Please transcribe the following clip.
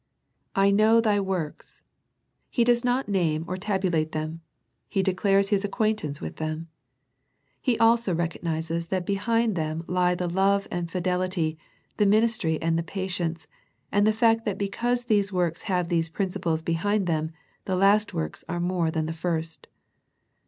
" I know thy works." He does not name or tabulate them. He declares His acquaintaoce with them. Also He recognizes that behind them lie the love and fidelity, the ministry and the patience^ and the fact that because these works have these principles behind them, the last works are more than the first.